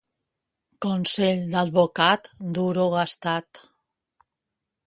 Consell d'advocat, duro gastat.